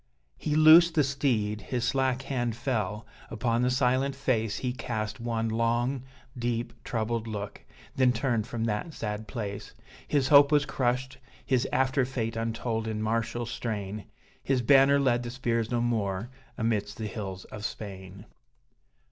He loosed the steed; his slack hand fell upon the silent face He cast one long, deep, troubled look then turned from that sad place: His hope was crushed, his after fate untold in martial strain, His banner led the spears no more amidst the hills of Spain.